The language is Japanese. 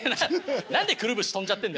何でくるぶし飛んじゃってんだよ。